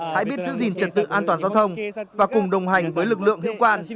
hãy biết giữ gìn trật tự an toàn giao thông và cùng đồng hành với lực lượng hiệu quản